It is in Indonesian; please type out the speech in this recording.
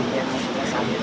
yang harus disambil